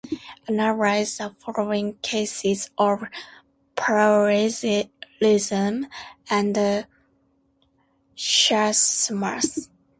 Analyze the following cases of parallelism and chiasmus.